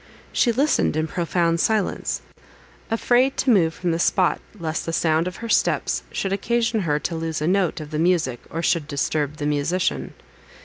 She listened in profound silence, afraid to move from the spot, lest the sound of her steps should occasion her to lose a note of the music, or should disturb the musician.